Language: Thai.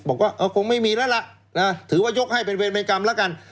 บอกว่าคงไม่มีแล้วล่ะถือว่ายกให้เป็นเวรเป็นกรรมแล้วกัน